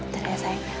betul ya sayang